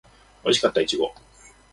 おいしかったいちご